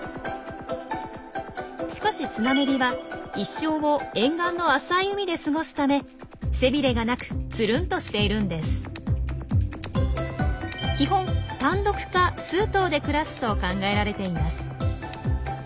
しかしスナメリは一生を沿岸の浅い海で過ごすため背びれがなくつるんとしているんです。と考えられています。